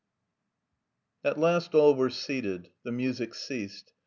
At last all were seated; the music ceased.